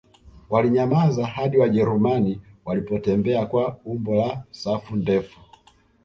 Walinyamaza hadi Wajerumani walipotembea kwa umbo la safu ndefu